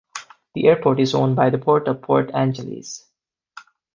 The airport is owned by the Port of Port Angeles.